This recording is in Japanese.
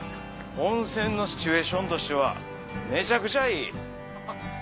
温泉のシチュエーションとしてはめちゃくちゃいい！